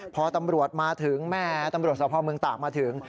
พอตำรวจมาถึงแม่ตำรวจสภาพเมืองตากมาถึง